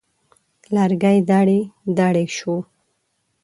لرګی دړې دړې شو.